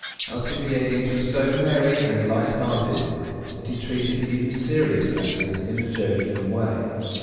Alcibiades was so merry and light hearted that he treated even serious matters in a joking way.